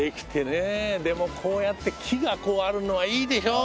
でもこうやって木がこうあるのはいいでしょう？